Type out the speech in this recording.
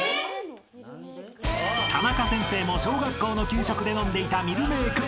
［タナカ先生も小学校の給食で飲んでいたミルメーク。